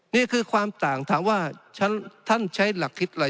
นี่คือความต่างถามว่าท่านใช้หลักคิดอะไร